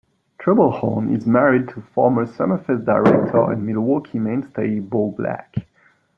Trebelhorn is married to former Summerfest director and Milwaukee mainstay Bo Black.